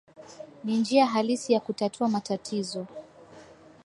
ni njia halisi ya kutatua matatizo